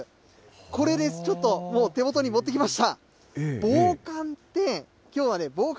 これです、ちょっと、もう手元に持ってきました。